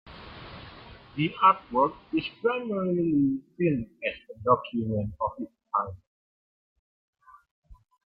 The artwork is primarily seen as a document of its time.